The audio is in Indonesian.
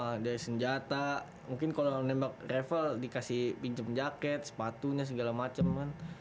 ada senjata mungkin kalau menembak rifle dikasih pinjem jaket sepatunya segala macem kan